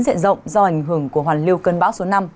nhiệt độ lớn diện rộng do ảnh hưởng của hoàn lưu cơn bão số năm